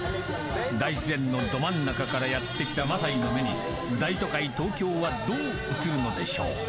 ［大自然のど真ん中からやって来たマサイの目に大都会東京はどう映るのでしょう］